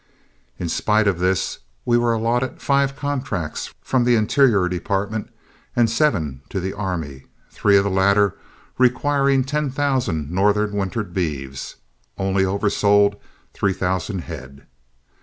In spite of this we were allotted five contracts from the Interior Department and seven to the Army, three of the latter requiring ten thousand northern wintered beeves, only oversold three thousand head.